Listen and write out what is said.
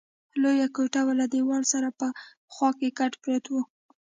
لویه کوټه وه، له دېوال سره په خوا کې کټ پروت وو.